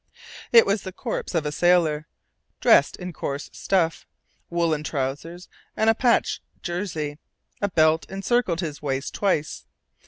It was the corpse of a sailor, dressed in coarse stuff, woollen trousers and a patched jersey; a belt encircled his waist twice.